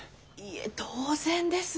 いえ当然です。